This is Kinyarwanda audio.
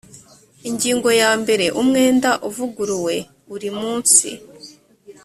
ingingo ya mbere umwenda uvuguruwe uri munsi